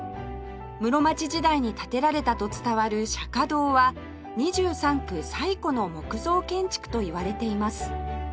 室町時代に建てられたと伝わる釈堂は２３区最古の木造建築といわれています